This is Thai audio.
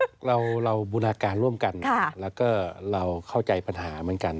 เราบูรณาการร่วมกันแล้วก็เราเข้าใจปัญหาเหมือนกัน